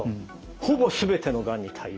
「ほぼすべてのがんに対応」。